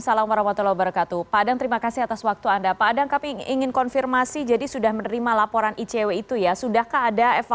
selamat malam putri assalamualaikum